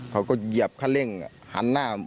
เหยียบคันเร่งหันหน้า